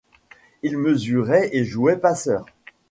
Il mesurait et jouait passeur.